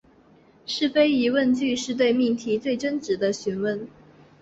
是非疑问句是对命题真值的询问。